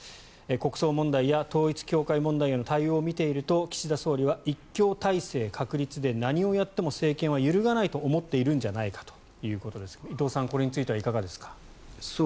国葬問題や統一教会問題への対応を見ていると岸田総理は一強体制確立で何をやっても政権は揺るがないと思っているんじゃないかということですが伊藤さん、これについてはいかがでしょうか？